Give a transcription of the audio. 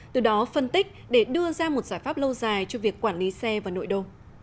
từ đó phân tích để đưa ra một giải pháp lâu dài cho việc quản lý xe vào nội đô